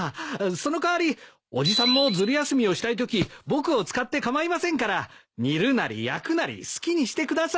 その代わり伯父さんもずる休みをしたいとき僕を使って構いませんから煮るなり焼くなり好きにしてください。